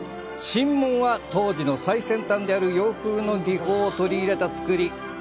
神門は、当時の最先端である洋風の技法を取り入れた造り。